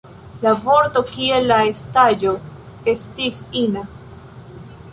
La vorto, kiel la estaĵo, estis ina.